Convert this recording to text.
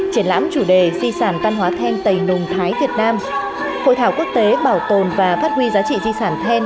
triển lãm chủ đề di sản văn hóa then tày nùng thái việt nam hội thảo quốc tế bảo tồn và phát huy giá trị di sản then